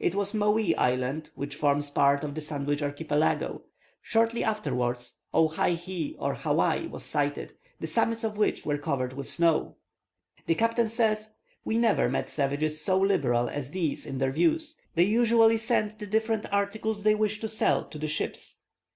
It was Mowee Island, which forms part of the Sandwich Archipelago. Shortly afterwards Owhyhee or Hawai was sighted, the summits of which were covered with snow. The captain says: "We never met savages so liberal as these in their views. They usually sent the different articles they wished to sell to the ships.